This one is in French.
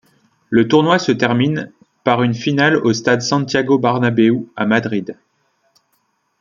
Le tournoi se termine le par une finale au Stade Santiago Bernabéu à Madrid.